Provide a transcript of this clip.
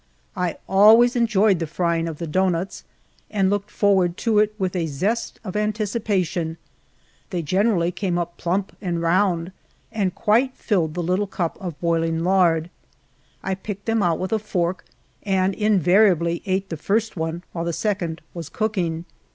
I always en joyed the trying of the doughnnts, and looked forward to it with a zest of anticipation ; they generally came up plump and round, and quite filled the little cup of boiling lard. I picked them out with a fork, and invariably ate the iirst one while the second was cooking.